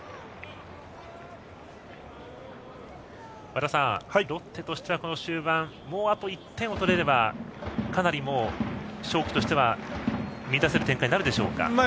和田さん、ロッテとしてはこの終盤もう、あと１点を取れればかなり勝機としては満たせる展開となるでしょうか。